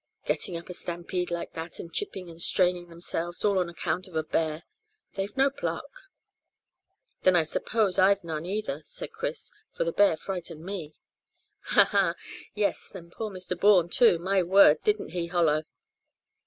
Getting up a stampede like that and chipping and straining themselves, all on account of a bear. They've no pluck." "Then I suppose I've none either," said Chris, "for the bear frightened me." "Ha, ha! Yes, and poor Mr Bourne too. My word, didn't he holloa!"